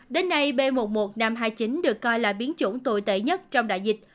đến nay b một mươi một nghìn năm trăm hai mươi chín được coi là biến chủng tồi tệ nhất trong đại dịch